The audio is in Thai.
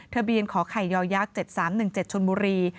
ทะเบียนขอไขยอยาก๗๓๑๗ชนบุรี